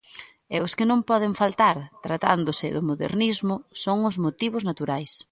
E os que non poden faltar, tratándose do Modernismo, son os motivos naturais.